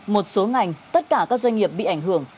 một số ngành tất cả các doanh nghiệp bị ảnh hưởng